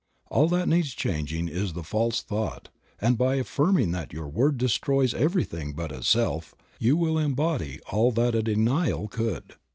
All that needs changing is the false thought, and by affirming that your word destroys everything but itself you will embody all that a denial could.